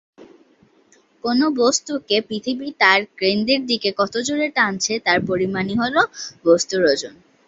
দেবী নিজের সেনার সঙ্গে কামরূপ আসেন।